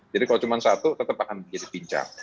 jadi kalau cuma satu tetap akan jadi pinjang